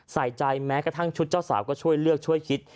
ใส่ใจแม้กระทั่งชุดเจ้าสาวก็ช่วยเลือกช่วยคิด